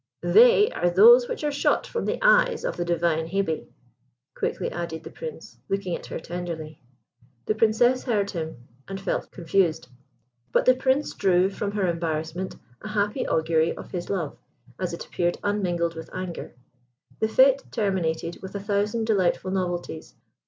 "They are those which are shot from the eyes of the divine Hebe," quickly added the Prince, looking at her tenderly. The Princess heard him, and felt confused; but the Prince drew from her embarrassment a happy augury for his love, as it appeared unmingled with anger. The fête terminated with a thousand delightful novelties.